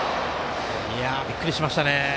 びっくりしましたね。